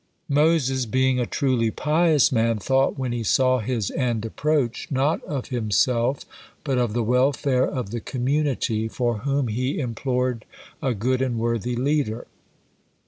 Moses, being a truly pious man, thought when he saw his end approach, not of himself, but of the welfare of the community, for whom he implored a good and worthy leader.